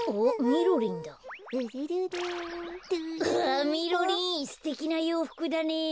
みろりんすてきなようふくだね。